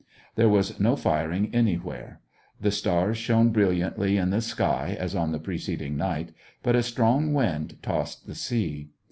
There was no firing anywhere. The stars shone brilliantly in the sky, as on the preceding night ; but a strong wind tossed the sea.